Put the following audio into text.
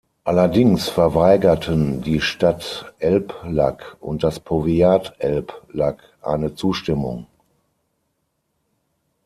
Allerdings verweigerten die Stadt Elbląg und das Powiat Elbląg eine Zustimmung.